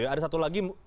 ada satu lagi